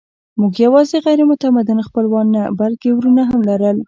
موږ یواځې غیر متمدن خپلوان نه، بلکې وروڼه هم لرل.